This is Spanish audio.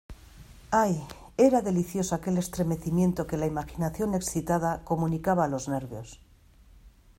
¡ ay, era delicioso aquel estremecimiento que la imaginación excitada comunicaba a los nervios!...